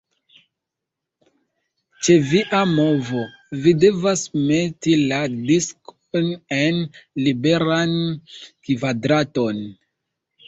Ĉe via movo vi devas meti la diskon en liberan kvadraton.